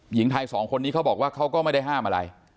หญิงไทยสองคนนี้เขาบอกว่าเขาก็ไม่ได้ห้ามอะไร